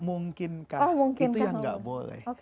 mungkinkah itu yang gak boleh